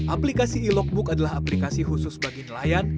aplikasi e logbook adalah aplikasi khusus bagi nelayan